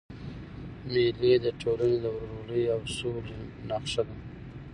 مېلې د ټولني د ورورولۍ او سولي نخښه ده.